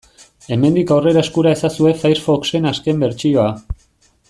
Hemendik aurrera eskura ezazue Firefoxen azken bertsioa.